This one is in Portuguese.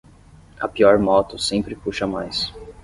A pior moto sempre puxa mais.